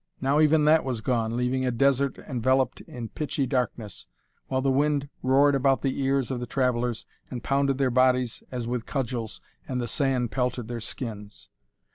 Now even that was gone, leaving a desert enveloped in pitchy darkness, while the wind roared about the ears of the travellers and pounded their bodies as with cudgels and the sand pelted their skins.